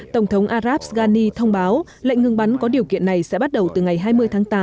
tổng thống arab ghani thông báo lệnh ngừng bắn có điều kiện này sẽ bắt đầu từ ngày hai mươi tháng tám